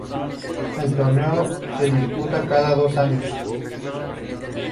El Torneo se disputa cada dos años.